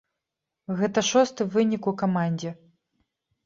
Гэта шосты вынік у камандзе.